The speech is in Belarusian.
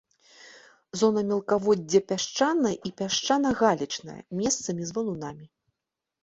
Зона мелкаводдзя пясчаная і пясчана-галечная, месцамі з валунамі.